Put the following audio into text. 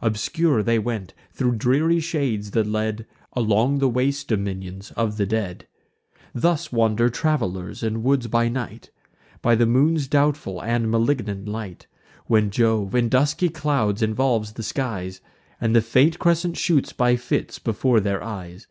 Obscure they went thro' dreary shades, that led Along the waste dominions of the dead. Thus wander travelers in woods by night, By the moon's doubtful and malignant light, When Jove in dusky clouds involves the skies, And the faint crescent shoots by fits before their eyes.